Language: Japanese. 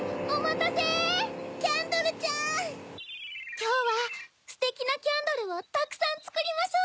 きょうはステキなキャンドルをたくさんつくりましょう！